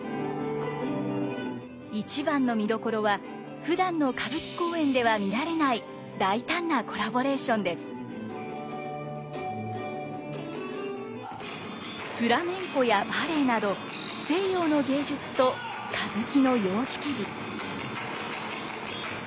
一番の見どころはふだんの歌舞伎公演では見られないフラメンコやバレエなど西洋の芸術と歌舞伎の様式美。